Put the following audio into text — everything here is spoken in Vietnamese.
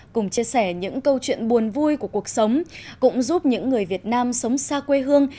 cùng chia sẻ những câu chuyện buồn vui của cuộc sống cũng giúp những người việt nam sống xa quê hương